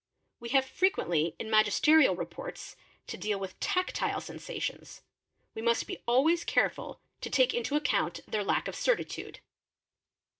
We have frequently in magisterial reports, to deal with tactile sensations; we must be always careful to take into account their lack of certitude.